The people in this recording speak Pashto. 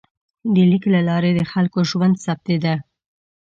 د لیک له لارې د خلکو ژوند ثبتېده.